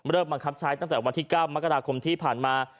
เริ่มบังคับใช้ตั้งแต่วันที่เก้ามากกะดากมที่ผ่านมา